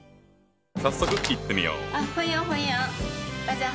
早速いってみよう。